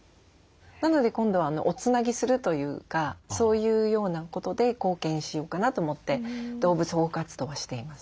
なので今度はおつなぎするというかそういうようなことで貢献しようかなと思って動物保護活動はしています。